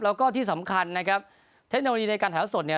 แล้วก็ที่สำคัญนะครับเทคโนโลยีในการแถวสดเนี่ย